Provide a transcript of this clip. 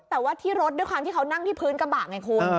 แต่ว่าที่รถด้วยความที่เขานั่งที่พื้นกระบะไงคุณ